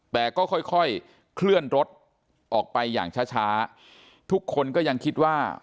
แต่ก็ค่อยค่อยเคลื่อนรถออกไปอย่างช้าช้าทุกคนก็ยังคิดว่า